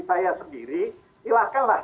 saya sendiri silahkanlah